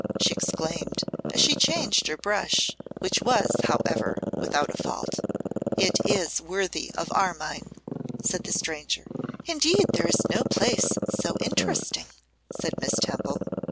she exclaimed, as she changed her brush, which was, however, without a fault. 'It is worthy of Armine,' said the stranger. 'Indeed there is no place so interesting,' said Miss Temple.